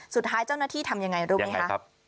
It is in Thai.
สุดท้ายเจ้าหน้าที่ทำอย่างไรรู้ไหมคะยังไงครับ